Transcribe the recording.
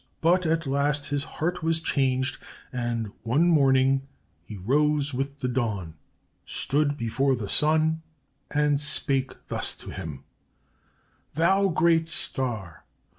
But at last his heart was changed, and one morning he rose with the dawn, stood before the sun, and spake thus to him: "'Thou great star!